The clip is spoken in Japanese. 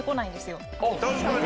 確かに。